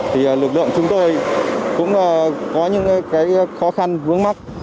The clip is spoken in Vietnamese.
thì lực lượng chúng tôi cũng có những cái khó khăn vướng mắt